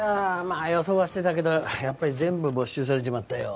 あ予想はしてたけどやっぱり全部没収されちまったよ